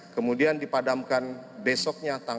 kemudian diperlukan untuk mencari penyelidikan